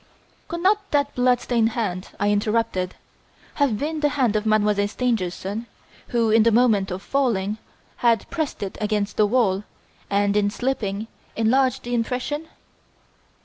"Could not that blood stained hand," I interrupted, "have been the hand of Mademoiselle Stangerson who, in the moment of falling, had pressed it against the wall, and, in slipping, enlarged the impression?"